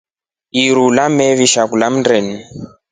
Iru limewashi kula mndeni.